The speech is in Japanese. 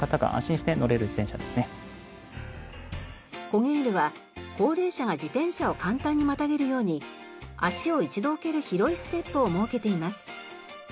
こげーるは高齢者が自転車を簡単にまたげるように足を一度置ける広いステップを設けています。